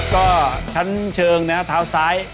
ก็ชั้นเชิงนะครับเท้าซ้าย